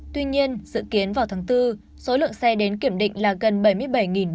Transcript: tuy nhiên dự kiến vào tháng bốn số lượng xe đến kiểm định là gần bảy mươi bảy bốn trăm linh xe